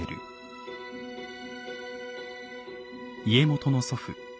家元の祖父